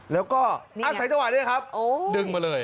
แล้วสายตะวัดดึงมาเลย